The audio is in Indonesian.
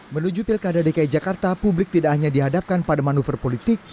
menuju pilkada dki jakarta publik tidak hanya dihadapkan pada manuver politik